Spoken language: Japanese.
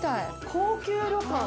高級旅館。